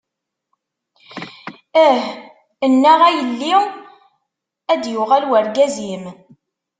Eh anaɣ a yelli, ad d-yuɣal urgaz-im.